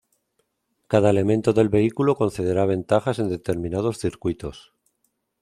Cada elemento del vehículo concederá ventajas en determinados circuitos.